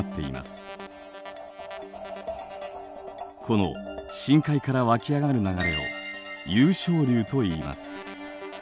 この深海から湧き上がる流れを湧昇流といいます。